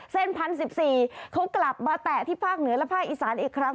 เส้นพันธุ์๑๔เขากลับมาแตะที่ภาคเหนือและภาคอิสานอีกครั้ง